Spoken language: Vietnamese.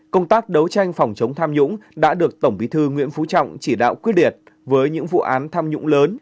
công tác đấu tranh phòng chống tham nhũng đã được tổng bí thư nguyễn phú trọng chỉ đạo quyết liệt với những vụ án tham nhũng lớn